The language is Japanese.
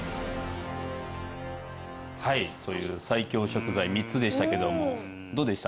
はいという最強食材３つでしたけどもどうでした？